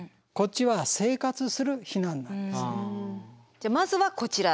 じゃあまずはこちら。